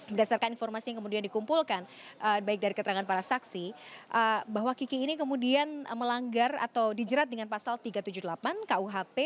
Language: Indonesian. berdasarkan informasi yang kemudian dikumpulkan baik dari keterangan para saksi bahwa kiki ini kemudian melanggar atau dijerat dengan pasal tiga ratus tujuh puluh delapan kuhp